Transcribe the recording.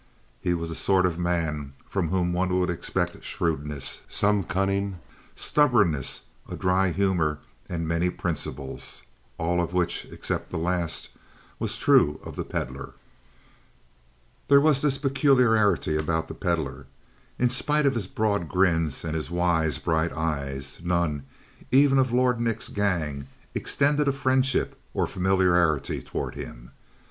He was the sort of a man from whom one would expect shrewdness, some cunning, stubbornness, a dry humor, and many principles. All of which, except the last, was true of the Pedlar. There was this peculiarity about the Pedlar. In spite of his broad grins and his wise, bright eyes, none, even of Lord Nick's gang, extended a friendship or familiarity toward him.